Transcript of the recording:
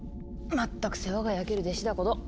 まったく世話が焼ける弟子だこと。